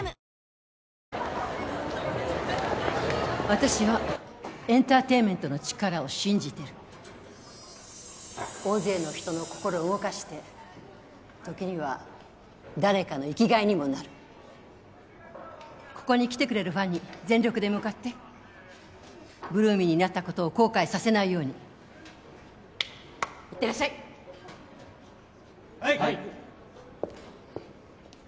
私はエンターテインメントの力を信じてる大勢の人の心を動かして時には誰かの生きがいにもなるここに来てくれるファンに全力で向かって８ＬＯＯＭＹになったことを後悔させないようにいってらっしゃいはい！